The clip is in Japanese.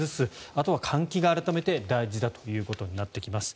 あとは換気が改めて大事だということになってきます。